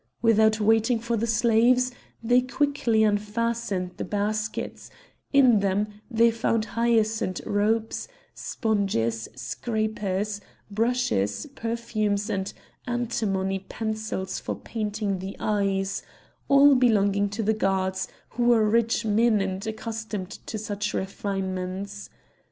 Without waiting for the slaves, they very quickly unfastened the baskets; in them they found hyacinth robes, sponges, scrapers, brushes, perfumes, and antimony pencils for painting the eyes—all belonging to the guards, who were rich men and accustomed to such refinements.